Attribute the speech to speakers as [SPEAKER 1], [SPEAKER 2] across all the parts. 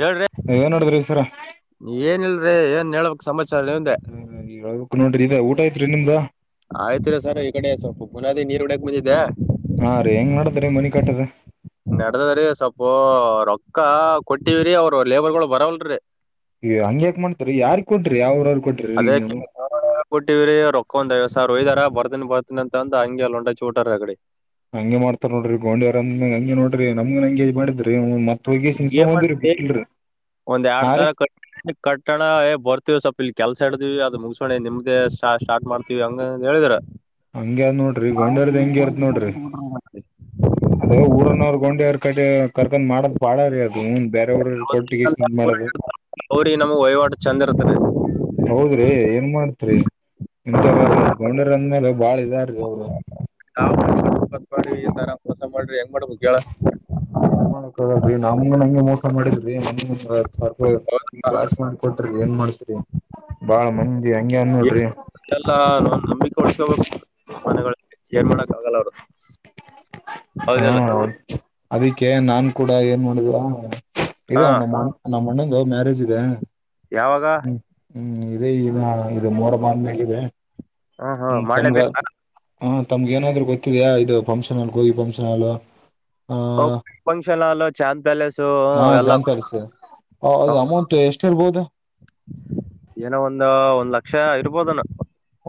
[SPEAKER 1] ಹೇಳ್ರಿ
[SPEAKER 2] ಏನ್ ನೋಡಿದ್ರಿ ಸರ
[SPEAKER 1] ಏನಲ್ರಿ ಏನ್ ಹೇಳ್ಬೇಕ್ ಸಮಸ್ಯ.
[SPEAKER 2] ಹ್ಮ ನೋಡ್ರಿ ಇದ ಊಟ ಐತ್ರಿ ನಿಮ್ದ.
[SPEAKER 1] ಆಯ್ತ್ರ ಸರ್ ಈ ಕಡೆ ಸ್ವಲ್ಪ ಬುನಾದಿ ನೀರ್ ಒಡಾಕ್ ಬಂದಿದ್ದೆ.
[SPEAKER 2] ಹಾ ರೀ ಹೆಂಗ್ ಮಾಡದ್ರೀ ಮನಿ ಕಾಟದ.
[SPEAKER 1] ನಡದದ್ರೀ ಸ್ವಪೋ ರೊಕ್ಕ ಕೊಟ್ಟೀವ್ರರಿ ಅವರು ಲೇಬರ್ಗಳು ಬರಲ್ರಿರಿ.
[SPEAKER 2] ಹಂಗ್ಯಾಕ ಮಾಡ್ತರಿ ಯಾರ್ ಕೊಟ್ರಿ ಯಾವ್ರವ್ರ ಕೊಟ್ರಿ ಇಲ್ಲಿ
[SPEAKER 1] ಅದೇ
[SPEAKER 2] ನೀವು
[SPEAKER 1] [inaudible] ಕೊಟ್ಟವ್ರ ರೊಕ್ಕ ಒಂದ ಐವತ್ ಸಾವ ಹೋಗಾರ ಬರ್ತನಿ ಬರ್ತನಿ ಅಂತಂದ ಹಂಗೆಲ್ಲ ಹೊಟ ಚೋಟಾರ ಅಗಡೆ.
[SPEAKER 2] ಹಂಗೆ ಮಾಡ್ತಾರ್ ನೋಡ್ರಿ ಗೋಂಡಿವರಂದ ಹಂ ನೋಡಿ ನಮ್ಗನ್ ಹಂಗೆ ಹಿಂಗ್ ಮಾಡಿದ್ರಿ. ಮತ್ ಹೋಗಿ ಸಿನ್ಸ್ಕೊಂಡ್ ಬಂದಿರಿ
[SPEAKER 1] [unintelligible]
[SPEAKER 2] ಬಿಟ್ಟಿಲ್ರಿ
[SPEAKER 1] ಒಂದ್ ಎರಡ್
[SPEAKER 2] ಹಾ ರೀ
[SPEAKER 1] ತರ ಕ ಕಟ್ಟಣ ಬರ್ತೀವ ಸೊಪ್ಪ. ಕೆಲ್ಸ ಹಡ್ದೀವಿ ಅದು ಮುಗಸೋಣಿ ನಿಮ್ಗೆ ಸ್ಟಾರ್ಟ ಮಾಡ್ತಿವಿ ಹಂಗ ಹೇಳಿದ್ರ.
[SPEAKER 2] ಹಂಗ್ಯ ನೋಡ್ರಿ ಗೋಡಲ್ದ ಹೆಂಗಗೆ ಇರ್ತ್ ನೋಡ್ರಿ. ಅದೇ ಊರನ್ನವರು ಗೊಂಡಿ ಅವ್ರ ಕಡೆ ಕರ್ಕೊಂಡ್ ಮಾಡದ್. ಮಾಡೀ ಅದು ಹನ್ ಬೇರೆವ್ರ ಕೊಟ್ಟಿಗೆ [unintelligible] ಮಾಡದು.
[SPEAKER 1] ಅವ್ರಿಗೆ ನಮಗ್ ವಹಿವಾಟು ಚಂದ ಇರ್ತದೆ
[SPEAKER 2] ಹೌದ್ರಿ ಏನ್ ಮಾಡ್ತ್ರಿ ಇಥರ ನೋಡ್ಕೊಂಡರ್ ಅಂದ್ಮೇಲೆ ಬಾಳ ಇ ಇದ.
[SPEAKER 1] ನಾವತ್ ಮಾಡ್ರಿ ಈ ತರ ಮೋಸ ಮಾಡ್ರಿ ಹೆಂಗ್ ಮಾಡ್ಬೇಕು ಕೇಳ.
[SPEAKER 2] ಏನ್ [unintelligible]
[SPEAKER 1] ಹೌದಮ್ಮ
[SPEAKER 2] ಕ್ಲಾಸ್ ಮ ಕೊಟ್ರ ಏನ್ ಮಾಡ್ತರಿ ಬಾಳ ಮ.
[SPEAKER 1] [unintelligible] ನಂಬಿಕೆ ಉಡ್ಸ್ಕೋಬೇಕು ಮನೆ. ಕೇರ್ ಮಾಡಕ್ ಆಗಲ್ಲ ಅವರು.
[SPEAKER 2] ಹಾ ಅದಕ್ಕೆ ನಾನ್ ಕೂಡ ಏನ್ ಮಾಡಿದ್ವಾ. ಇದ
[SPEAKER 1] ಹಾ
[SPEAKER 2] ನಮ್ಮಣ ನಮ್ಮ ಅಣ್ಣಂದು ಮ್ಯಾರೇಜ್ ಇದೆ.
[SPEAKER 1] ಯಾವಾಗ.
[SPEAKER 2] ಹ್ಮ್ ಹ್ಮ್ ಇದೇ ಈ ಇದು ಮೋರ ಬಂದ ಮಾಗಿದೆ. [inaudible]
[SPEAKER 1] ಹಾ ಹಾ ಮಾಡ್ಲೇಬೇಕ.
[SPEAKER 2] ಹಾ ತಮ್ಗೆ ಏನಾದ್ರು ಗೊತ್ತಿದೆಯಾ ಇದು ಫಂಕ್ಷನ್ಲ್ಲಿ ಕೋಗಿ ಫಂಕ್ಷನ್ ಅಲ್.
[SPEAKER 1] ಫಂಕ್ಷನ್ಲ್ ಚಾಂದ್ ಪ್ಯಾಲೇಸುಲ್ಲ.
[SPEAKER 2] ಹ ಅದು ಅಮೌಂಟ್ ಎಷ್ಟ್ ಇರ್ಬೋದು.
[SPEAKER 1] ಏನೋ ಒಂದ ಒಂದ್ ಲಕ್ಷ ಇರ್ಬೋದನ.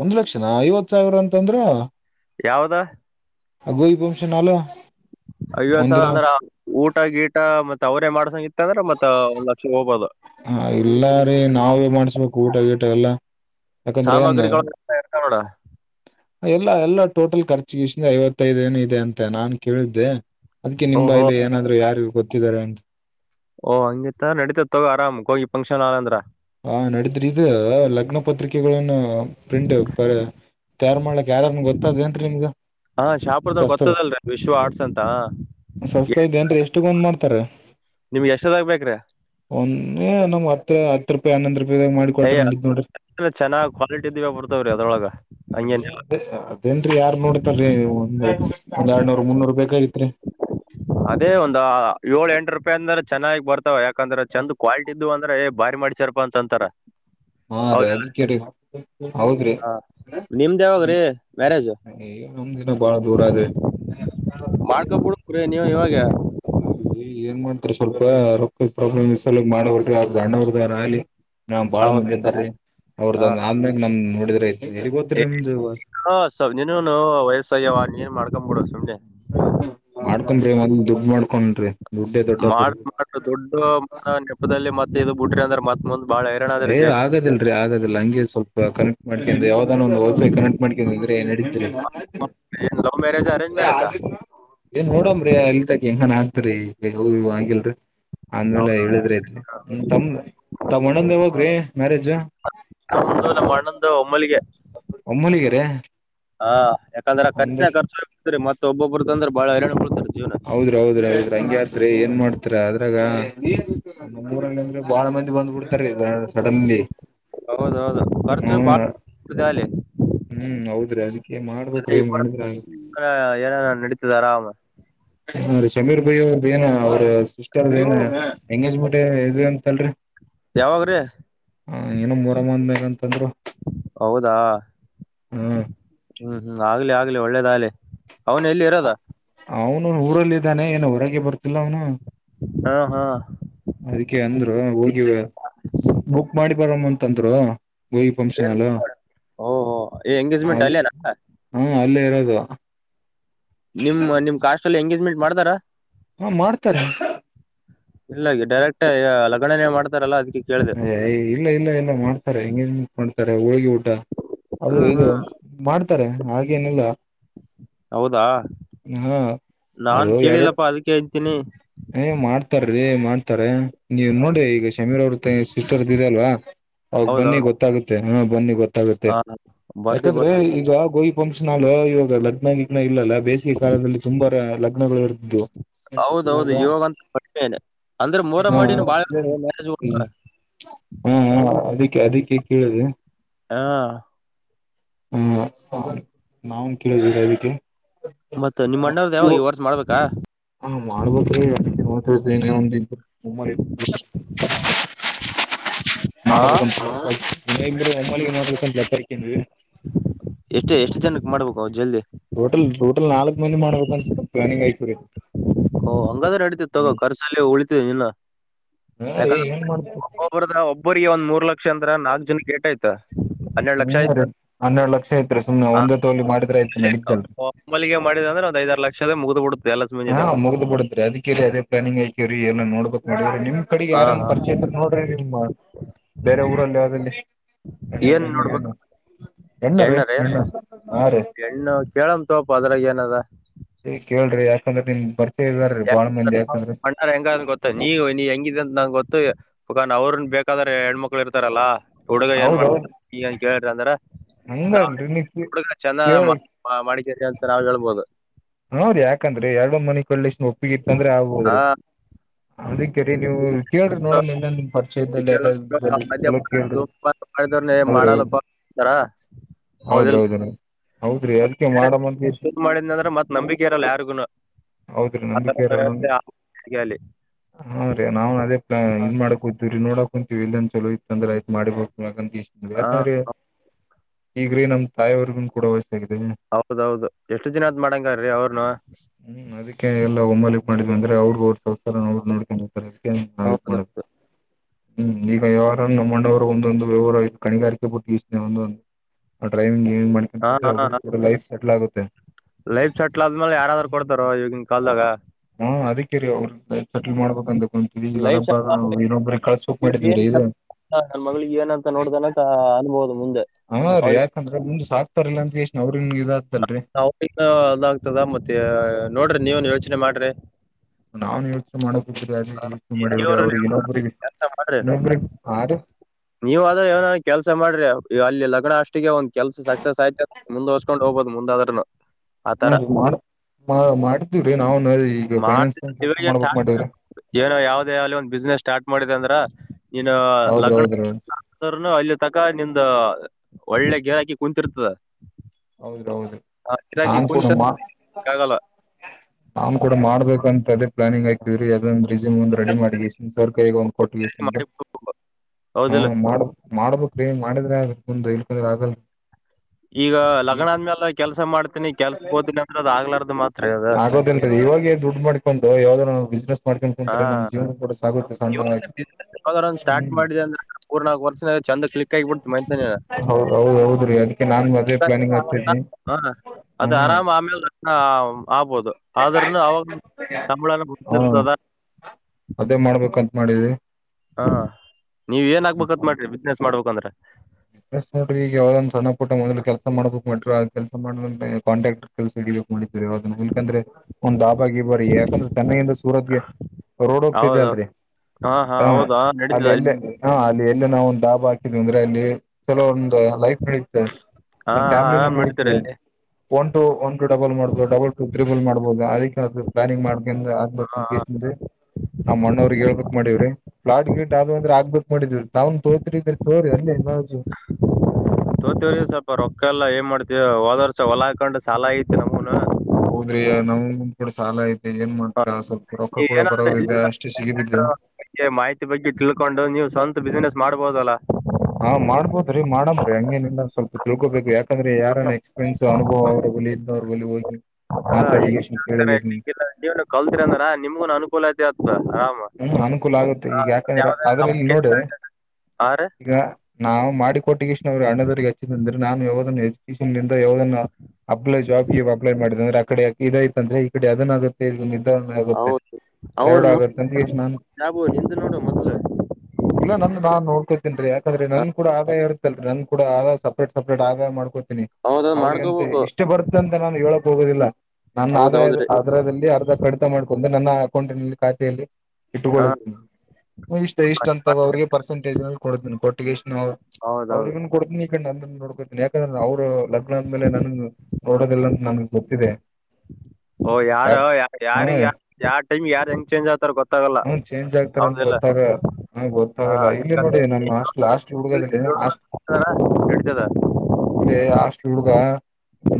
[SPEAKER 2] ಒಂದ್ ಲಕ್ಷನ ಐವತ್ ಸಾವಿರ ಅಂತಂದ್ರ.
[SPEAKER 1] ಯಾವದ.
[SPEAKER 2] [unintelligible]
[SPEAKER 1] ಐವತ್ತುಸಾವ
[SPEAKER 2] ಒಂದಿನ
[SPEAKER 1] ಅಂದ್ರ ಊಟ ಗೀಟ ಮತ್ತೆ ಅವರೇ ಮಾಡ್ಸಂಗಿ. ದ್ರೆ ಮತ್ತ ಒಂದು ಲಕ್ಷ ಹೋಗ್ಬೋದು.
[SPEAKER 2] ಹಾ ಇಲ್ಲ ರೀ ನಾವೇ ಮಾಡಿಸ್ಬೇಕು ಊಟ ಗೀಟ ಎಲ್ಲ
[SPEAKER 1] [inaudible]
[SPEAKER 2] ಯಾಕಂದ್ರೆ ಏನ್
[SPEAKER 1] ಸಾಮಗ್ರಿಗಳು ಇರ್ತ ನೋಡ.
[SPEAKER 2] ಎಲ್ಲಾ ಎಲ್ಲಾ ಟೋಟಲ್ ಖರ್ಚಿಗೆ ಇಷಿಂದ ಐವತ್ತೈದ ಏನು ಇದೆ ಅಂತ ನಾನ್ ಕೇಳಿದ್ದೆ. ಅದ್ಕ್ಕೆ
[SPEAKER 1] ಓಹೋ
[SPEAKER 2] ನಿಮ್ಮೈಲಿ ಏನಾದ್ರು ಯಾರಿಗ ಗೊತ್ತಿದ್ದಾರೆ ಅಂತ.
[SPEAKER 1] ಓ ಹಂಗಿತ್ತ ನಡಿತತ್ ತಗೋ ಆರಾಮ್ ಹೋಗಿ ಪಂಕ್ಷನ್ ಆ ಅಂದ್ರ
[SPEAKER 2] ಹ ನಡದ್ರೆ ಇದು ಲಗ್ನ ಪತ್ರಿಕೆಗಳನ್ನು ಪ್ರಿಂಟ್ ತಯಾರು ಮಾಡ್ಲಕ್ ಯಾರಾರನ್ ಗೊತ್ತಾದೇನ್ ನಿಮ್ಗ
[SPEAKER 1] ಹಾ ಶಾಪರ್ದಾಗ ಗೊತ್ತದಲ್ ವಿಶ್ವ ಆರ್ಸ್ ಅಂತ
[SPEAKER 2] ಸವಸ್ತ ಇದ್ದೇನ್ರಿ ಎಷ್ಟಗ ಒಂದ್ ಮಾಡ್ತಾರ
[SPEAKER 1] ನಿಮ್ಗೆ ಎಷ್ಟದಾಗ ಬೇಕ್ರಿ
[SPEAKER 2] ಒಂದ ನಮ್ ಹತ್ರ ಹತ್ತು ರೂಪಾಯಿ ಹನ್ನೊಂದ್ ರ
[SPEAKER 1] ಯ್ ಚೆನ್ನ್ ಕ್ವಾಲಿಟಿ ಇದಿವ ಬರ್ತವ್ರೀ ಅದ್ರೊಳಗ ಹಂಗೇನಿಲ್ಲ
[SPEAKER 2] ದ ಅದೇನ್ರರಿ ಯಾರ್ ನೋಡತಲ್ರಿ ಒ ಒಂದ್ ಎರ್ಡ್ನೂರ ಮುನ್ನೂ ಪಾಯೇಕಾಯತ್ರಿ
[SPEAKER 1] ಅದೇ ಒಂದ ಏಳ ಎಂಟು ರೂಪಾಯಿ ಅಂದ್ರೆ ಚೆನ್ನಾಗಿ ಬರ್ತಾವ ಯಾಕಂದ್ರೆ ಚೆಂದ್ ಕ್ವಾಲಿಟ ಇದು ಅಂದ್ರೆ ಬಾರಿ ಮಾಡ್ಸಾರಪ್ಪಾ ಅಂತ ಅಂತಾರ
[SPEAKER 2] ಹಾ ರೀ
[SPEAKER 1] ಹೌದಿಲ್ಲ
[SPEAKER 2] ಅದಕ್ಕೆ ಹೌದ್ರಿ
[SPEAKER 1] ನಿಮ್ದ್ ಯಾವಾಗ್ರೀ ಮ್ಯಾರೇಜ್
[SPEAKER 2] ನಮ ದಿನ ಬಾಳ ದೂರ ಆದ್ರೆ
[SPEAKER 1] ಮಾಡ್ಕೋಬುಡ್ ನೀವು ಇವಾಗ
[SPEAKER 2] ಹ್ಮ ಏನ್ ಮಾಡ್ತಾರೆ ಸ್ವಲ್ಪ ರೊತದ ಪ್ರಾಬ್ಲಮ್ ಮಾಡಬ್ರ ಅಣ್ಣರ್ದ ಆಲಿ ನಾ ಬಾಳ್
[SPEAKER 1] ಹೌದ್
[SPEAKER 2] ಮುಗತಾರೆ ಅವ್ರದ ಆದ್ಮ್ಯಾಗ ನಮ ನೋಡಿದ
[SPEAKER 1] ಹ ನೀನುನು ವಯಸ್ಸಯ್ಯಾವ ನೀನ್ ಮಾಡ್
[SPEAKER 2] ಆಡ್ಕೊಂಡ್ರಿ ಮದ ದುಡ್ಡು ಮಾಡ್ಕೊಂಡ್ರಿ ದುಡ್ಡೇ ದೊಡ್ಡಪ್ಪರಿ
[SPEAKER 1] ಮಾಡತ್ ಮಾಡ ದೊಡ್ಡ ಮ ನೆಪದಲ್ಲಿ ಮತ್ತತ್ ಇದ್ ಬಿಟ್ರಿ ಅಂದ್ರ ಮತ್ ಮುಂದ್ ಬಾಳ ಹೈರಾಣ ಅದ್ರಿ
[SPEAKER 2] ಏ
[SPEAKER 1] ಜೀವ್ನ
[SPEAKER 2] ಆಗದಿಲ್ರರಿ ಆಗದಿಲ್ಲ ಹಂಗೆ ಸ್ವಲ್ಪ ಕನೆಕ್ಟ್ ಮಾಡ್ಕಂದ್ರ ಯಾವ್ದಾನ ಒಂದು ವೈಫೈ ಕನೆಕ್ಟ್ ಮಾಡ್ಕೊಂಡ್ರ ಇದ್ರೆ [unintelligible]
[SPEAKER 1] ಹ [unintelligible]
[SPEAKER 2] ಏನ್ ನೋಡಮ್ರಿ ಅಲ್ಲಿ ತಕಂಗ ನ ಆಗಿಲ್ರಿ ಆದ್ಮೇಲೆ ಹೇಳಿದ್ರಿ ಇದ ತ ನಂದ ಹೋಗೋಗ್ರೀ ಮ್ಯರೇಜ್
[SPEAKER 1] ನಮ್ದು ನಮ್ಮ ಅಣ್ಣಂದು ಒಮ್ಮಲಿಗೆ
[SPEAKER 2] ಒಮ್ಮನಿಗೆರ
[SPEAKER 1] ಹಾ ಯಾಕಂದ್ರೆಖರ್ಚನೆ ಖರ್ಚುತರಿ ಮತ್ತ ಒಬ್ಬೊಬ್ಬರುದ ಅಂದ್ರೆ ಬಾಳ ಹರಣ್ ಬಳ್ತರಿ
[SPEAKER 2] ಹೌದ್ರ ಹೌದ್ರ ಹೌದು ರಂಗ್ಯಾತ್ರಿ ಏನ್ ಮಾಡ್ತಾರ ಅದ್ರಾಗ ನಮ್ಮ ಊರಲ್ಲಿ ಅಂದ್ರೆ ಬಾಳ ಮಂದಿ ಬಂದ್ ಬಿಡ್ತಾರೆ ಸಡನ್ಲಿ
[SPEAKER 1] ಹೌದೌದು ಖರ್ಚು
[SPEAKER 2] ಹ್ಮ್
[SPEAKER 1] ಬಾಳದೆಲ್ಲಿ
[SPEAKER 2] ಹ್ಮ್ ಹೌದ್ರಿ ಅದಕ್ಕೆ ಮಾಡ್ಬೇಕ್ರ ಮಾಡಿದ್ರ
[SPEAKER 1] ಏನ ನಡೀತದ ಆರಾಮ
[SPEAKER 2] ಹೀ ಸಮೀರ್ ಭಯಿ ಅವ್ರದ ಏನ ಅವ್ರ ಸಿಸ್ಟರ್ ಏನ ಎಂಗೇಜ್ಮೆಂಟ್ ಇ ಅಂತಲ್ರಿ
[SPEAKER 1] ಯಾವಾಗ್ರೀ
[SPEAKER 2] ಹ ಏನ ಮರ ಬಂದ ಮೇಗ ಅಂತಂದ್ರರು
[SPEAKER 1] ಹೌದಾ
[SPEAKER 2] ಹ್ಮ
[SPEAKER 1] ಹ್ಮ್ ಹ್ಮ್ ಆಗ್ಲಿ ಆಗ್ಲಿ ಒಳ್ಳೇದಲಿ ಅವನು ಎಲ್ಲಿ ಇರೋದ
[SPEAKER 2] ಅವನು ಊರಲ್ಲ ಇದಿದ್ದಾನೆ ಏನು ಹೊರಗೆ ಬರ್ತಿಲ್ಲ ಅವನು
[SPEAKER 1] ಹಾ ಹಾ
[SPEAKER 2] ಅದಕ್ಕೆ ಅಂದ್ರ ಹೋಗಿವಕ್ ಬುಕ್ ಮಾಡಿ ಬರಾಮ ಅಂತಂದ್ರು ಗೋಗಿ
[SPEAKER 1] ಏನ್
[SPEAKER 2] ಪಂಕ್ಷನ್ಲ್ಲ
[SPEAKER 1] ಓಹೋ ಏ
[SPEAKER 2] ಹ
[SPEAKER 1] ಎಂಗೇಜ್ಮೆಂಟ್ ಅಲ್ಲೇನಾ
[SPEAKER 2] ಎಲ್ಲ ಇರೋದು
[SPEAKER 1] ನಿಮ್ ನಿಮ್ ಕಾಸ್ಟ್ ಅಲ್ಲಿ ಎಂಗೇಜ್ಮೆಂಟ್ ಮಾಡ್ತಾರಾ
[SPEAKER 2] ಹಾ ಮಾಡ್ತಾರ
[SPEAKER 1] ಇಲ್ಲ ಡೈರೆಕ್ಟ್ ಲಗಣನೆ ಮಾಡ್ತಾರಲ್ಲ ಅದಕ್ಕೆ ಕೇಳಿದೆ
[SPEAKER 2] ಅ ಇಲ್ಲ ಇಲ್ಲ ಇಲ್ಲ ಮಾಡ್ತಾರೆ ಹೆಂಗಜ್ಮೆಂಟ್ ಮಾಡ್ತಾರೆ ಹೋಳ್ ಅದು
[SPEAKER 1] ಹ್ಮ್
[SPEAKER 2] ಇದು
[SPEAKER 1] ಹ್ಮ್
[SPEAKER 2] ಮಾಡ್ತಾರೆ ಹಾಗೇನಲ್ಲ
[SPEAKER 1] ಹೌದಾ ನಾನ್
[SPEAKER 2] ಅದು ಎರಡು
[SPEAKER 1] ಕೇಳಿಲ್ಲಪ್ಪ ಅದಕ್ಕೆ ಅಂತೀನಿ
[SPEAKER 2] ರೀ ಮಾಡ್ತಾರೆ ನೀವ್ ನೋಡಿ ಈಗ ಶಮೀರ್ ಅವ್ರ ಸಿಸ್ಟರ್ ಇದೆ ಅಲ್ವಾ ಅವಾಗ ಬನ್ನಿ
[SPEAKER 1] ಹೌದೌದು
[SPEAKER 2] ಗೊತ್ತಾಗುತ್ತೆ ಹ ಬನ್ನಿ ಗೊತ್ತ ಗುತ್ತೆ
[SPEAKER 1] ಹ ಬರ್ತಿ
[SPEAKER 2] ಯಾಕಂದ್ರೆ
[SPEAKER 1] ಬರ್ತಿ
[SPEAKER 2] ಈಗ ಗೋಯ್ ಫಂಕ್ಷನ್ಲ್ಲ ಇವಾಗ ಲಗ್ನ ಗಿಗ್ನ ಇಲ್ಲಲ್ಲ ಬೇಸಿಗೆ ಕಾಲದಲ್ಲಿ ತುಂಬಾ ಲಗ್ನಗಳು ಇರ್ವು ಹ
[SPEAKER 1] ಹೌ ಹೌದು ಇವಾಗ ಅಂತ ಕಡಿಮೆನೆ ಅಂದ್ರೆ ಮೂರ
[SPEAKER 2] ಹಾ
[SPEAKER 1] ಮಾಡಿನ ಬಾಳ ಮ್ಯೇಜ್ [inaudible]
[SPEAKER 2] ಹಾ ಹಾ ಅದಕ್ಕೆ ಅದಕ್ಕೆ ಕೇಳಿದೆ
[SPEAKER 1] ಹಾ
[SPEAKER 2] ಹ್ಮ ನಾವನ್ ಕೇಳಿದ ರಕ್ಕೆ
[SPEAKER 1] ಮತ್ತತ್ ನಿಮ್ಮ್ ಅಣ್ಣರ್ ಈ ವರ್ಷ ಮಾಡ್ಬೇಕಾ
[SPEAKER 2] ಹಾ ಮಾಡ್ಬೇ್ರೀ ಅದಕ್ಕೆ ನೋಡ್ಂದ
[SPEAKER 1] ಹಾ
[SPEAKER 2] ಮಾಳಬಗ ಮ ಮ ಕೊ ಕಕಿದೆ
[SPEAKER 1] ಎಷ್ಟು ಎಷ್ಟು ಜನಕ್ಕೆ ಮಾಡ್ಬೇಕು ಅವ ಜಲ್ದಿ
[SPEAKER 2] ಮುಂದೆ ಮಾಡಬೇಕಂತ ಸ್ ಪ್ಲಾನಿಂಗ್ ಆ್ಕ ರ
[SPEAKER 1] ಓ ಹಂಗಾದ್ರೆ ನಡೀತತ್ ತಗೋ ಕರ್ಸಲ್ಲಿ ಉಳಿತ ನಿನ್ನ
[SPEAKER 2] ಹಾ ರೀ
[SPEAKER 1] ಯಾಕಂದ್ರೆ
[SPEAKER 2] ಏನ್ ಮಾಡ್ಬೇಕು
[SPEAKER 1] ಒಬ್ಬೊಬ್ರದ ಒಬ್ಬರಿಗೆಗೆ ಒಂದ್ ಮೂರ್ ಲಕ್ಷ ಅಂದ ನಾಕ್ ಜನ್ ಗೇಟ ಆ್ತು ಹನ್ನೆರಡು ಲಕ್ಷ
[SPEAKER 2] ಹಾ
[SPEAKER 1] ಆಯ್ತು
[SPEAKER 2] ರೀ ಹನ್ನೆರಡ್ ಲಕ್ಷ ಐತ್ರಿ ಸುಮ್ನೆ ಒಂದೇ ತೋಲಿ ಮಾಡಿದ್ರ ಆಯ್ತು ನಡೀತಲ್ರಿ
[SPEAKER 1] ಮಾಡ ಅಂದ್ರೆ ಒಂದು ಐದ್ರ್ ಲಕ್ಷ ಮುಗಿದ್ ಬಿಡುತ್ತೆ ಎಲ್ಲ ಸುಮ
[SPEAKER 2] ದ ಕೇಳ ಅದೇ ಪ್ಲಾನಿಂಗ್ ಆಐಕವ ರ ಎ ನೋಡ್ಬೇಕಕ್ ಮಾಡರಿ ನಿಮ್ ಕಡೆ
[SPEAKER 1] ಹಾ
[SPEAKER 2] ಯಾರನ್
[SPEAKER 1] ಹಾ
[SPEAKER 2] ಪರಿಚಯ ಇದ್ರರು ನೋಡ್ರಿ ನಿಮ್ ಬೇರೆ ಊರಲ್ಲಿ ಯಾವ್ದಲ್ಲಿ ಎ ನಿಮಗೇನು
[SPEAKER 1] ಹೆಣ್ಣ ರೀ ಹೆಣ್ಣು ಕೇಳಂ ತವಪ್ಪ ಅದ್ರಾಗ ಏನದ
[SPEAKER 2] ಏ ಕೇಳ್ರಿ ಯಾಕಂದ್ರೆ ನಿನ್ ಬರ್ತ
[SPEAKER 1] ಯ ಬಣ್ಣಾರ ಹೆಂಗ ಅ ಗೊತ್ತ ನೀ ನೀ ಹೆಂಗಿದೆ ಅಂತ ನಂಗ ಗೊತ್ತ ಮ ಮುಖನ್ ಅವ್ರನ್ ಬೇಕಾದ್ರೆ ಹೆಣ್ಮಕ್ಳು ಇರ್ತಾರಲ್ಲ ಹುಡುಗ ಏನ್
[SPEAKER 2] ಹೌದೌದು
[SPEAKER 1] ಮಾಡ್ತನ್ ಕೇಳಿದ್ರಿ ಅಂದ್ರ ನಾವ
[SPEAKER 2] ಹಂಗಲ್ರಿ ನೀ
[SPEAKER 1] ಹುಡುಗ ಚಂದ
[SPEAKER 2] ಕೇಳಿ
[SPEAKER 1] ಮಾಡಿಕೇರಿ ಅಂತ ನಾವ್ ಹೇಳ್ಬೋದು
[SPEAKER 2] ಹ್ರರಿ ಯಾಕಂದ್ರಿ ಎರಡೊ ಮನ ಕಳ ಇಷ್ಟ್ಣ ಒಪ್ಪಿಗಿತ್ತ ಅಂದ್ರೆ ಆಗ್ದ್ರಿ
[SPEAKER 1] ಹಾ
[SPEAKER 2] ಅದಕ್ಕೆ ನೀವು ಕೇಳ್ರಿ ನೋಡಮ
[SPEAKER 1] ಈ
[SPEAKER 2] ಪರಿಚಯದಲ್ಲಿ ಅ ಇದಲ ಕೇಳ್ರಿ
[SPEAKER 1] ಮಾಡಿದವ್ರ ಮಾಡಲ್ಲಪ್ಪತಾರ
[SPEAKER 2] ಹೌದೌದ ಹೌದ್ರಿ ಅದಕ್ಕೆ ಮಾಡ ಮಂದ
[SPEAKER 1] ಮತ್ತ್ ನಂಬಿಕೆ ಇರಲ್ಲ ಯಾರಿಗು
[SPEAKER 2] ಹೌದ್ರಿ
[SPEAKER 1] ಆತರ
[SPEAKER 2] ನಂಬಿಕೆ ಇರಲ್ಲ
[SPEAKER 1] ವ್ಯವಸ್ಥೆ ಆಲ್ಲಿ
[SPEAKER 2] ಹಾ ರೀ ನಾವ್ ಅದೇ ಪ್ಲ ಇನ್ ಮಾಡ ಹದ ನೋಡಾಕ್ ಕುಂತೀವಿ ಇಲ್ಲಂದ ಚಲೋ ಇತ್ ಅಂದ್ರೆಯ್ತ ಮಾಡಿಬೋ ಯ
[SPEAKER 1] ಹಾ
[SPEAKER 2] ಯಾಕಂದ್ರೀ ಈಗ್ರೀ ನಮ್ ತಾಯಿಯವರ್ಗೂ ಕೂಡ ವಯಸ್ಸಾಗಿದೆ
[SPEAKER 1] ಹೌದೌದು ಎಷ್ಟು ದಿನದ್ ಮಾಡಂಗಾರ್ರಿ ಅವ್ರನು
[SPEAKER 2] ಹ್ಮ್ ಅದಕ್ಕೆ ಎಲ್ಲ ಒಮ್ಮ ಮಾಡ್ವಿ ಅಂದ್ರೆ ಅವ್ರ ಅವಸ್ ನೋ ನೋಡ್ಕೊಂಡ ನಾವ
[SPEAKER 1] ಹೌದು
[SPEAKER 2] ಮಾಡ ಹ್ಮ್ ಈಗ ಯಾರ ನಮ್ಮಂಡವರು ಒಂದೊಂದು ವ್ಯವಹಾರ ಆ ಕಣಿಗಾರಿಕೆ ಬಿುಟ್ಟನನೆ ಒಂದೊಂದು ಡ್ರೈವಿಂಗ್ ಗಿವಿಂಗ್
[SPEAKER 1] ಹಾ
[SPEAKER 2] ಮಾಡ್ಕೊಂಡಂತೋರರು
[SPEAKER 1] ಹಾ
[SPEAKER 2] ಕಡ ಲೈಫ್ ಸೆಟಲ್ ಆಗುತ್ತೆ
[SPEAKER 1] ಲೈಫ್ ಸೆಟ್ಲ್ ಆದ್ಮೇಲೆ ಯಾರಾದ್ರೂ ಕೊಡ್ತಾರೋ ಈಗನ್ ಕಾಲ್ದಾಗ
[SPEAKER 2] ಹಾ ಅದಕ್ಕಿ ರೀ ಅವ್ರ ಸೆಟಲ್ ಮಾಡ್ಬೇಕ ಅಂತ ಕುಂತೀವಿ
[SPEAKER 1] ಲೈಫ್
[SPEAKER 2] ಈಗಲಬ್ಬ
[SPEAKER 1] ಸೆಟ್ಲ್
[SPEAKER 2] ಇನ್ನೊಬ್ಬ್ರ ಕಳಳ್ಸ್ಬಕ್ ಮಾಡಿದೀವ್ರೀ ಇ
[SPEAKER 1] ಹ ನನ್ ಮಗಳಿಗೆ ಏನಂತ ನೋಡ್ದಾನ ಅಂತ ಅನ್ಬೋದು ಮುಂದೆ
[SPEAKER 2] ಹ ರೀ
[SPEAKER 1] ಹೌದ
[SPEAKER 2] ಯಾಕಂದ್ರೆ ಮುಮ್ದ್ ಸಾಕ್ತಾರಿಲ್ಲಾ ಅಂತ ಎಷ್ಟ ಅವ್ರಿಂಗ ಇದ
[SPEAKER 1] ನನು ಅದಾಗ್ತದ ಮತ್ತೆ ನೋಡ್ರಿ ನೀವನ್ ಯೋಚನೆ ಮಾಡ್ರಿ
[SPEAKER 2] ನಾವ್ನ್ ಯ ಮಾಡ ಅದ ಮಾಡ್ರಿ
[SPEAKER 1] ನೀವ್ರು
[SPEAKER 2] ಅವ್ರಿಗೆ ಇನೊಬ್ಬರಿಗೆ ಇನ್ನೊಬ್ಬ್ರ ಯ
[SPEAKER 1] ನೀವ ಆದ್ರೆ ಏನ ಕೆಲ್ಸ ಮಾಡ್ರಿ ಅಲ್ಲಿ ಲಗ್ನ ಅಷ್ಟಿಗೆ ಒಂದ್ ಕೆಲ್ಸ ಸಕ್ಸಸ್ ಆಯ್ತ ಮುಂದಸ್ಕೊಂಡ ಹೋಗಿ ಹೋಗಬೋದು ಮುಂದಾದ್ರನು
[SPEAKER 2] ಹಾ
[SPEAKER 1] ಆತರ
[SPEAKER 2] ರೀ ಮಾಡ ಮಾಡ್ತಿವ್ರಿ ನಾವವು ನರಿ
[SPEAKER 1] ಮಾಡ್ ಏನೋ ಯಾವ್ದ ಯಾವಲ್ಲಿ ಒಂದ್ ಬಿಸ್ನೆಸ್ ಸ್ಟಾರ್ಟ ಮಾಡಿದೆ ಅಂದ್ರ ನೀನ್
[SPEAKER 2] ಹೌದ್ರ ಹೌದ್ರ
[SPEAKER 1] ಲಗ್ನನು ಅಲ್ಲಿ ತಕ್ಕ ನಿಂದು ಒಳ್ಳೆ ಗಿರಾಕಿ ಕುಂತರ್ತದ
[SPEAKER 2] ಹೌದು ಹೌದು ನಾನ್ ಕೂಡ
[SPEAKER 1] ಆಗಲ್ಲ
[SPEAKER 2] ನಾನ್ ಕೂಡ ಮಾಡ್ಬೇಕಂತ್ದ ಪ್ಲಾನಿಂಗ್ ಆತಿದ್ರೀ ಅದ ರಿಸ್ಯೂಮ್ ಒಂದು ರೆಡಿ ಮಾಡಿಷ್ಟ ಸರ್ ಕೈಗೆ ಒಂದು ಕೊಟ್ಟ
[SPEAKER 1] ಮಾಡಿಬಿಡು
[SPEAKER 2] ಹ್ಮ
[SPEAKER 1] ಹೌದಿಲ್ಲ
[SPEAKER 2] ಮಾಡ ಮಾಡ್ಬೇಕ್ರೀ ಮಾಡಿದ್ರೆ ಮುಂದು ಇಲ್ಕಂದ್ರೆ ಆಗಲ್
[SPEAKER 1] ಈಗ ಲಗ್ನ ಆದ್ಮೇಲೆ ಕೆಲ್ಸ ಮಾಡ್ತೀನಿ ಕೆಲ್ಸಕ್ ಹೋತೀನಿ ಅಂದ್ರ ಅದ ಆಗ್ಲಾರ್ದ ಮತ್ತ
[SPEAKER 2] ಆಗೋದಲ್ರಿ ಇವಾಗೇ ದುಡ್ಡು ಮಾಡ್ಕೊಂಡು ಯಾವ್ದ ಬಿಸ್ನೆಸ್ ಮಾಡ್ಕ
[SPEAKER 1] ಹಾ
[SPEAKER 2] ಕುಂತಾರೆ ನಮ್ ಜೀವನ ಕೂಡ ಸಾಗುತ್ತೆ
[SPEAKER 1] ಇವಾಗ
[SPEAKER 2] ಸಣ್ಣದಗಿ
[SPEAKER 1] ಬಿಸ್ನೆಸ್ ಯಾವ್ದಾರ ಒಂದ್ ಸ್ಟಾರ್ಟ್
[SPEAKER 2] ಹ್ಮ್
[SPEAKER 1] ಮಾಡಿದೆ ಅಂದ್ರ ಮೂರ್ ನಾಲ್ಕು ವರ್ಷನಾಗ ಚಂದ ಕ್ಲಿಕ್ ಆಗಿಬಿಡ್ತ ಮೈಂತಾನೆ
[SPEAKER 2] ಹೌದ ಹೌದೌದ್ರಿ ಅದಕ್ಕೆ ನಾನ್ ಅದೇ ಪ್ಲಾನಿಂಗ್ ಹಾಕಯಿದಿನಿ
[SPEAKER 1] ಅದೇ ಆರಾಮ್ ಆಮೇಲೆ ಆಗ್ಬೋದು ಆದ್ರನು ಅವಾಗ ಸಂಬಳನು
[SPEAKER 2] ಹಾ
[SPEAKER 1] ಬತಿರ್ತದ
[SPEAKER 2] ಅದೇ ಮಾಡ್ಬೇಕಂತ ಮಾಡಿದಿ
[SPEAKER 1] ಹಾ ನೀವ ಏನ್ ಆಗ್ಬೇಕತ್ ಮಾಡ್ರಿ ಬಿಸ್ನೆಸ್ ಮಾಡ್ಬೇಕಂದ್ರೆ
[SPEAKER 2] ನೋಡ್ರಿ ಈಗ ಯಾವ್ದ ಒಂದು ಸಣ್ಣ ಪುಟ್ಟ ಮೊದ್ ಕೆಲಸ ಮಾಡಬೇಕಕ್ ಕೆಲಸ ಮಾಡೆ ಕಾಂಟಾಕ್ಟರ್ ಕೆಲ್ಸ ರಿ ಯಾಗ ಯಾಕಂದ್ರೆ ಒಂದು ಡಾಬಾರ್ ಗಿಬರ್ ಯಾಕಂದ್ರೆ ಚೆನ್ನಾಗಿ ಸೂರತ್ಗೆ ರೋಡ್ ಹೋಗ್ತಿದೆ
[SPEAKER 1] ಹೌದು
[SPEAKER 2] ಅಲ್ರಿ
[SPEAKER 1] ಹಾ ಹಾ
[SPEAKER 2] ಹ
[SPEAKER 1] ಹೌದಾ
[SPEAKER 2] ಅಲ್ಲಿ
[SPEAKER 1] ನಡೀತದ
[SPEAKER 2] ಎಲ್ಲ ಹ ಅಲ್ಲಿ ಇಲ್ಲಿ ನಾವು ಒಂದು ಡಾಬಾ ಹಾಕಿದೀವಿ ಅಂದ್ರೆ ಅಲ್ಲಿ ಕೆಲವೊ ಲೈಫ್ನೆಡಿಯುತ್ತೆ
[SPEAKER 1] ಹಾ
[SPEAKER 2] ನಮ್ಮ ಫ್ಯಾಮಿಲೈನು
[SPEAKER 1] ಆರಾಮ್ ನಡೀತೀರಿ
[SPEAKER 2] ನೆಡಿಯುತ್ತೆ
[SPEAKER 1] ಅಲ್ಲಿ
[SPEAKER 2] one two one two double ಮಾಡಬ ಡಬಲ್ ಟು ತ್ಬಲ್ ಮಾಡಬುದು ಅದಕ್ಕೆ ಅದು ಪ್ಲಾನಿಂಗ ಮಾಡದು ಆಗ್ಬೇಕು
[SPEAKER 1] ಹ
[SPEAKER 2] ನಾವ್ ಅಣ್ಣವ್ರಿಗೆ ಹೇಳಿಬಿಟ್ಟು ಮಾಡಿವ್ರಿ ಪ್ಲಾಟ್ ಗೀಟ್ ಅದು ಅಂದ್ರೆ ಆಗ್ಬೇಕು ನೋಡಿ ತಾವ್ನ್ ತೋತ್ರಿದ್ರೆ ತೋರಿ ಅಲ್ಲಿ
[SPEAKER 1] ತೋತಿವ್ರ ಸ್ವಲ್ಪ ರೊಕ್ಕ ಎಲ್ಲ ಏನ್ ಮಾಡ್ತ ಹೋದ ವರ್ಷ ಹೊಲ ಹಾಕೊಂಡು ಸಾಲ ಐತಿ ನಮ್ಮೂನು
[SPEAKER 2] ಹೌದ್ರಿ ನಮ ಕೂಡ ಸಾಲ ಆಯ್ತ
[SPEAKER 1] ಹ ನೀವನಾದ್ರೆ
[SPEAKER 2] ಇದೆ ಅಷ್ಟೇ ಸಿಗಿಬಿದ್ದ
[SPEAKER 1] ಮಾಹಿತಿ ಬಗ್ಗೆ ತಿಳ್ಕೊಂಡು ನೀವು ಸ್ವಂತ ಬಿಸಿನೆಸ್ ಮಾಡ್ಬೋದಲ್ಲಾ
[SPEAKER 2] ಹಾ ಮಾಡ್ಬೋದ್ರೀ ಮಾಡಮ್ರರಿ ಹಂಗೇನಿಲ್ಲ ಸ್ವಲ್ಪ ತಿಳ್ಕೋಬೇಕು ಯಾಕಂದ್ರೆ ಯಾರನೆ ಎಸ್ಪೀರಿಯನ್ಸ್ ಅನುಭವ ಅವರು ಪೊಲೀಸ್ ಅವರ ಬಳಿ ಹೋಗಿ ಮಾತಾಡಿಗಿ ಕೇಳಿ
[SPEAKER 1] ಪ್ರತಿ ಒಂದು ಕಲ್ತಿರಿ ಅಂದ್ರ ನಿಮಗು ಅನುಕೂಲ ಐತಿ
[SPEAKER 2] ಹ್ಮ ಅನುಕೂಲ ಆಗುತ್ತೆ ಈಗ ಯಾಕಂದ್ರೆ
[SPEAKER 1] ಯಾವ್ದಾರ
[SPEAKER 2] ಆದ್ರಲ್ಲಿ ನೋಡಿ
[SPEAKER 1] ಅಪ್ಲಿಕೇಶನ್ ಆ ರ
[SPEAKER 2] ಈಗ ನಾವು ಮಾಡಿ ಕೋಟಿ ಕೃಷ್ಣ ಅವರು ಅಣ್ಣದವರಿಗೆ ಹಚ್ಚಿದ ನಾನು ಯಾವದನ್ನ ಎಜುಕೇಷನ್ಂದ ಯಾವದನ್ನ ಅಪ್ಲೈ ಜಾಬ್ಗೆ ಅಪ್ಲೈ ಮಾಡಿದೆ ಆದ್ರೆ ಅ ಕಡೆ ಇದೈತಂದ್ರ ಈ ಕಡೆ ಅದನಗುತ್ತೆ ಆಗುತ್ತೆ ಎರಡು ಆಗುತ್ತೆ
[SPEAKER 1] ಜಾಬ್ ನನಿಮ್ದು ನೋಡುಮು
[SPEAKER 2] ಇಲ್ಲ ನಂದುು ನಾನ್ ನೋಡ್ಕೊತೀನ್ ರೀ ಯಾಕಂದ್ರೆ ನನ್ ಕೂಡ ಇರುತ್ತಲ್ಲ ನನ್ ಕೂಡ ಆದ ಸಪ್ರೇಟ್ ಸಪ್ರೇಟ್ ಆದಯಾ ಮಾಡ್ಕೋ
[SPEAKER 1] ಹೌದ
[SPEAKER 2] ಅವ್ರಿಗಂತೆ
[SPEAKER 1] ಮಾಡ್ಕೋಬೇಕು
[SPEAKER 2] ಇಷ್ಟ ಬರುತ್ತೆ ಅಂತ ನಾನು ಹೇಳಕ್ ಹೋಗುದಿಲ್ಲ ನಾನ ಆದಾಯ
[SPEAKER 1] ಹೌದೌದ್ರಿ
[SPEAKER 2] ಆಧರದಲ್ಲಿ ಅರ್ಧ ಕಡಿತ ಮಾಡ್ಕೊಂಡೆ ನನ್ನ ಅಕೌಂಟ್ಲ್ಲಿ ಖಾತೆಯಲ್ಲಿ
[SPEAKER 1] ಹಾ
[SPEAKER 2] ಇಟ್ಟುಕೊಳ್ಳತನಿ ಇಷ್ಟ ಇಷ್ಟ ಅಂತ ಅವ್ರಿಗೆ ಪರ್ಸೆಟೇಜ್ ಮೇಲೆ ಕೊಡತೀನಿ ಕೊಟ್ಟಿಗೆ ಇಷ್ಟ ನಾ
[SPEAKER 1] ಹೌದೌದು
[SPEAKER 2] ಅವ್ರಗನ್ ಕೊಡ್ತೀನಿಕಂಡು ಅ ನೋಡ್ಕೋತೀನಿ ಯಾಕಂದ್ರೆ ಅವ್ರರು ಲಗ್ನ ಆದಂದ್ಮೇಲೆ ನನ್ ನೋಡೋದಿಲ್ಲಂತ ನಮಗೆ ಗೊತ್ತಿದೆ
[SPEAKER 1] ಓ ಯಾರ
[SPEAKER 2] ಯಾರ್ ಹ
[SPEAKER 1] ಯಾರ ಯಾರ ಯಾರ ಟೈಮ್ ಯಾರ್ ಹೆಂಗ ಚೇಂಜ್ ಆಗ್ತಾರ ಗೊತ್ತಾಗಲ್ಲ
[SPEAKER 2] ಹ್ಮ ಚೇಂಜ್ ಆಗ್ತಾರ ಅಂತ
[SPEAKER 1] ಹೌದೆಲ್ಲ
[SPEAKER 2] ಗೊತ್ತಾಗ ಹ
[SPEAKER 1] ಹಾ
[SPEAKER 2] ಗೊತ್ತಾಗಲ್ಲ ಇಲ್ಲಿ ನೋಡಿ ನಮ್ಮ ಹಾಸ್ಟೆಲ್ ಹುಡುಗ ಅಲ್ಲಿ
[SPEAKER 1] ನಡತದ
[SPEAKER 2] ಹಾಸ್ಟೆಲ್ ಹುಡ್ಗ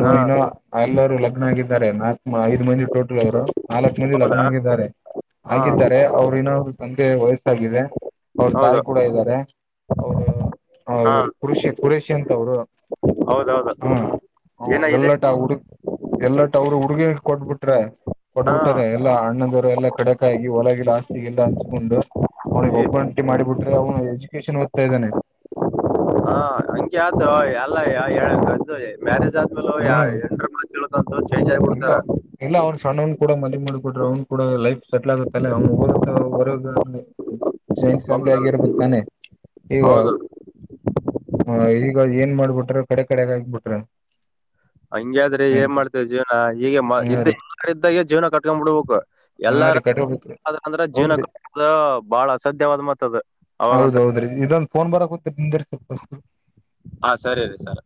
[SPEAKER 1] ಹಾ
[SPEAKER 2] ಇನ್ನ ಎಲ್ಲರು ಲಗ್ನ ಆಗಿದ್ದಾರೆ ನಾಕ ಐದ್ ಮಂದಿ ಟೋಟಲ್ ಅವರು ನಾಲ್ಕ್ ಮಂದಿ ಲಗ್ನ
[SPEAKER 1] ಹೌದಾ
[SPEAKER 2] ಆಗಿದ್ದಾರೆ
[SPEAKER 1] ಹಾ
[SPEAKER 2] ಹಾಗಿದ್ದರೆ ಅವರು ಇನ್ನೋರು ತಂದೆ ವಯಸ್ಸಾಗಿದೆ ಅವ್ರ ತಾಯಿ
[SPEAKER 1] ಹೌದು
[SPEAKER 2] ಕೂಡ ಇದ್ದಾರೆ ಅವರು
[SPEAKER 1] ಹಾ
[SPEAKER 2] ರುಷಿ ಕುರುಷಿ ಅಂತ ಅವರು
[SPEAKER 1] ಹೌದೌದು
[SPEAKER 2] ಹ್ಮ
[SPEAKER 1] ಏನಾಗಿದೆ
[SPEAKER 2] ಎಲ್ಲಟಾ ಉಡು ಎಲ್ಲ ಅವರು ಹುಡುಗಿ ಕೊಟ್ಬಿಟ್ರೆ
[SPEAKER 1] ಹಾ
[SPEAKER 2] ಕೊಟ್ಬಿಟ್ಟಾರ ಎಲ್ಲಾ ಅಣ್ಣದವರು ಎಲ್ಲಾ ಕಡೆ ಒಲಗಲ ಆಾಸ್ತಿಗೆಲ್ಲ ಹಂಚ್ಕೊಂಡು ಅವ್ನಿಗೆ
[SPEAKER 1] ಇಲ್ಲಿ
[SPEAKER 2] ಒಬ್ಬಂಟಿ ಮಾಡಿಬಿಟ್ರೆ ಅವ್ನು ಎಜುಕೇಶನ್ ಓದ್ತಾ ಇದ್ದಾನೆ
[SPEAKER 1] [inaudible] ಹ ಸಂಖೆ ಆತ ಎಲ್ಲ ಹೇಳ ಮ್ಯಾರೇಜ್ ಆದ್ಮಲ್ಲ ಯ
[SPEAKER 2] ಹ್ಮ್
[SPEAKER 1] ಎ ಮ [unintelligible] ಧೋ [unintelligible] ಚೇಂಜ್ಗಬಿತ್ರರೆ
[SPEAKER 2] ಸಣನ್ ಕೂಡ ಮದವೆ ಮಾಡಿ ಕೊಟರೆ ಅವ್ನು ಕೂಡ ಲೈಫ್ ಸೆಟ್ಲ್ ಆಗುತ್ತಲ್ಲ ಅವ್ನು ಊರು ಹೊರ ಜಾಯಿಂಟ್ ಫ್ಯಾಮಿಲಿ
[SPEAKER 1] ಹೌದೌದು
[SPEAKER 2] ಆಗಿರ್ಬ ತಾನೆ ಈಗ
[SPEAKER 1] ಹೌದು
[SPEAKER 2] ಈಗ ಏನ್ ಮಾಡ್ಬಿಟ್ರ ಕಡೆ ಕಡೆಗ ಆಗ್ಬಿಟ್ರ
[SPEAKER 1] ಹಂಗಾದ್ರೆ ಏನ್ ಮಾಡ್ತೇವೆ ಜೀವನ ಹ ಹೀಗೆ
[SPEAKER 2] ಹಾ
[SPEAKER 1] ಇದ್ದ
[SPEAKER 2] ರೀ
[SPEAKER 1] ಎಲ್ಲಾರ್ದಾಗೆ ಜೀವನ ಕಟ್ಕೊಂಡ್ ಬಿಡ್ಬೇಕು
[SPEAKER 2] ಹಾ
[SPEAKER 1] ಎಲ್ಲಾರ
[SPEAKER 2] ರೀ ಕಟ್ಬೇಕ್ರಿ
[SPEAKER 1] ಆದಂದ್ರ
[SPEAKER 2] ಹೌದ್ರಿ
[SPEAKER 1] ಜೀವನಕ್ಕೆ ಅ ಬಾಳ ಅಸಧ್ಯವಾದ್ ಮತ್ತದ ಅವಾಗಂತ
[SPEAKER 2] ಹೌದೌದ್ರಿ ಇದೊಂದ್ ಫೋನ್ ಬರ ಕೊತ ನಿಂದರ್ ಸ
[SPEAKER 1] ಹಾ ಸರಿ ಸರ್